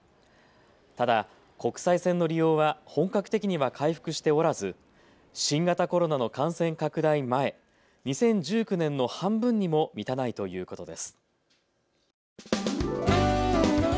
ただ国際線の利用は本格的には回復しておらず、新型コロナの感染拡大前、２０１９年の半分にも満たないということです。